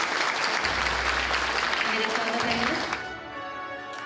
「おめでとうございます」。